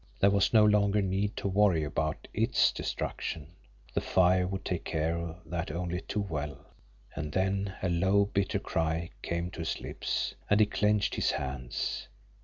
There was no longer need to worry about ITS destruction the fire would take care of that only too well! And then a low, bitter cry came to his lips, and he clenched his hands.